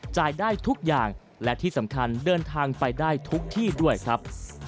จ่ายได้ทุกอย่างและที่สำคัญเดินทางไปได้ทุกที่ด้วยครับ